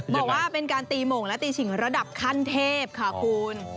บอกว่าเป็นการตีหม่งและตีฉิงระดับขั้นเทพค่ะคุณ